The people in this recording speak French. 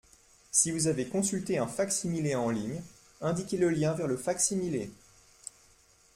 Si vous avez consulté un fac-similé en ligne, indiquez le lien vers le fac-similé.